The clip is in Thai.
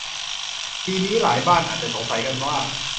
ทีนี้หลายบ้านอาจจะสงสัยกันว่า